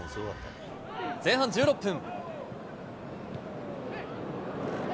前半１６分。